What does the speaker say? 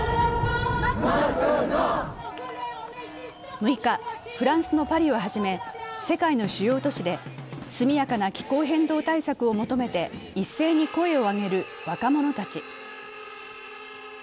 ６日、フランスのパリをはじめ世界の主要都市で速やかな気候変動対策を求めて一斉に声を上げる若者たち。